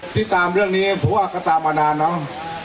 ติดตามเรื่องนี้ผมว่าก็ตามมานานเนาะ